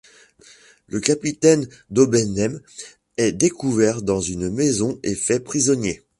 Le capitaine d'Obenheim est découvert dans une maison et fait prisonnier.